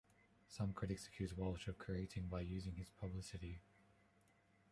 Some critics accuse Walsh of creating by using his publicity.